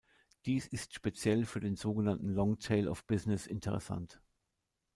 Dies ist speziell für den sogenannten Long Tail of Business interessant.